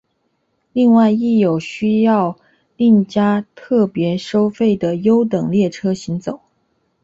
另外亦有需要另加特别收费的优等列车行走。